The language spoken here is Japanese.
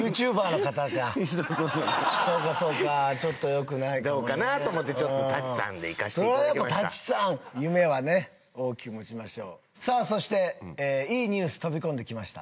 そうそうそうそうかちょっとよくないかもねどうかなと思って舘さんでそれはやっぱ舘さん夢はね大きく持ちましょうさぁそしていいニュース飛び込んできました